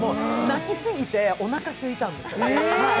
泣きすぎておなかすいたんですよ。